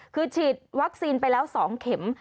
คือฉีดวัคซีนไปแล้ว๒เข็ม